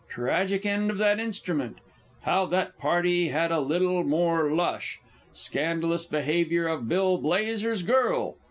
Tragic end of that instrument. How the party had a "little more lush." Scandalous behaviour of_ "Bill Blazer's _girl."